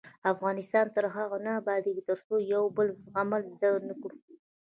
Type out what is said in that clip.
افغانستان تر هغو نه ابادیږي، ترڅو د یو بل زغمل زده نکړو.